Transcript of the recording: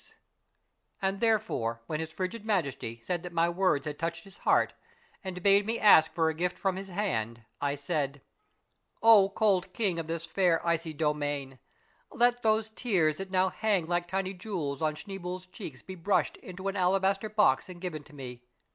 186 A MARVELLOUS UNDERGROUND JOURNEY And therefore when his frigid Majesty said that my words liad touched his heart, and bade me ask for a gift from his hand, I said, —" O cold king of this fair icy domain, let those tears that now hang like tiny jewels on Schneeboule's cheeks be brushed into an alabaster box and given to me.